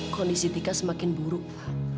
kondisi tika semakin buruk